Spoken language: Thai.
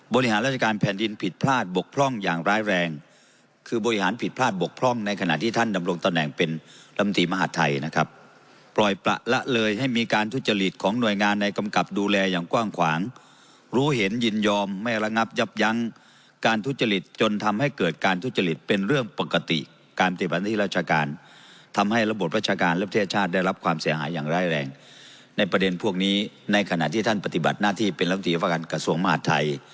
บริหารราชการแผ่นดินผิดพลาดบกพร่องอย่างร้ายแรงคือบริหารผิดพลาดบกพร่องในขณะที่ท่านดำรงตะแหน่งเป็นลำตีว่าท่านลำตีว่ารัฐมนต์หรือใช้อำนาจขาดต่อบทมัญญัติแห่งรัฐมนต์หรือใช้อำนาจขาดต่อบทมัญญัติแห่งรัฐมนต์หรือใช้อำนาจขาดต่อบทมัญญัติแห่งรัฐ